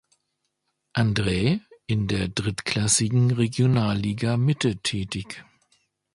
Andrä", in der drittklassigen Regionalliga Mitte tätig.